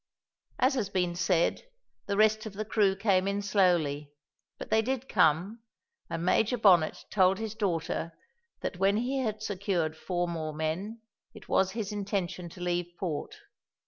As has been said, the rest of the crew came in slowly, but they did come, and Major Bonnet told his daughter that when he had secured four more men, it was his intention to leave port.